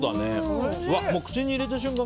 もう口に入れた瞬間